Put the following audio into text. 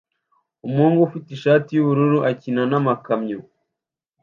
Umuhungu ufite ishati yubururu akina namakamyo